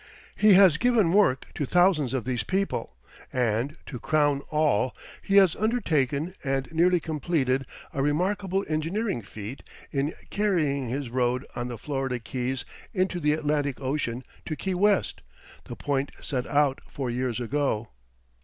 He has given work to thousands of these people; and, to crown all, he has undertaken and nearly completed a remarkable engineering feat in carrying his road on the Florida Keys into the Atlantic Ocean to Key West, the point set out for years ago.